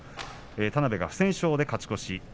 田邉が不戦勝で勝ち越し。